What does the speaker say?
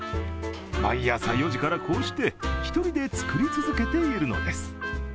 毎朝４時から、こうして一人で作り続けているのです。